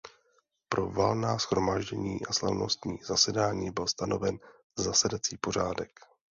Pro valná shromáždění a slavnostní zasedání byl stanoven zasedací pořádek.